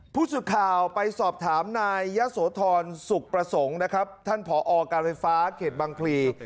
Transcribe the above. ผู้สื่อข่าวไปสอบถามนายยะโสธรสุขประสงค์นะครับท่านผอการไฟฟ้าเขตบังพลี